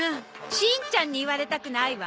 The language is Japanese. しんちゃんに言われたくないわ。